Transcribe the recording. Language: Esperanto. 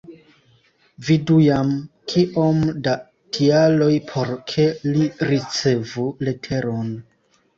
Vidu jam kiom da tialoj por ke li ricevu leteron.